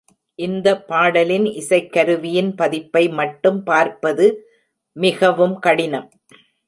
இந்த பாடலின் இசைக்கருவியின் பதிப்பை மட்டும் பார்ப்பது மிகவும் கடினம்.